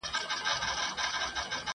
لاس یې پوري په علاج کړ د مېرمني !.